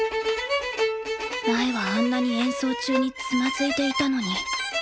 前はあんなに演奏中につまずいていたのに。